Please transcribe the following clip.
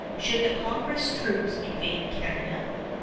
Should the Congress troops invade Canada?